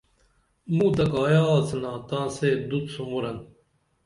مُوہ تہ کایہ آڅِنا تاں سے دُت سُمُورن